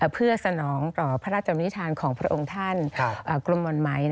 เพื่อสนองต่อพระราชนิษฐานของพระองค์ท่านกรมห่อนไหม